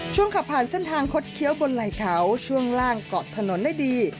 ขับผ่านเส้นทางคดเคี้ยวบนไหล่เขาช่วงล่างเกาะถนนได้ดี